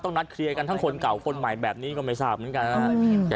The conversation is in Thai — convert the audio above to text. นัดเคลียร์กันทั้งคนเก่าคนใหม่แบบนี้ก็ไม่ทราบเหมือนกันนะครับ